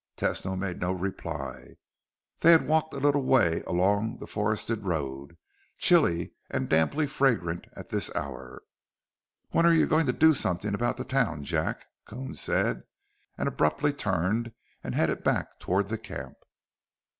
Tesno made no reply. They had walked a little way along the forested road, chilly and damply fragrant at this hour. "When are you going to do something about the town, Jack?" Coons said, and abruptly turned and headed back toward the camp.